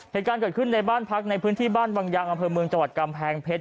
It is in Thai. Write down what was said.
เหตุการณ์เกิดขึ้นในบ้านพักในพื้นที่บ้านวังยังอำเภอเมืองจังหวัดกำแพงเพชร